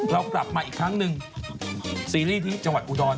เรากลับมาอีกครั้งหนึ่งซีรีส์ที่จังหวัดอุดร